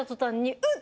うっ！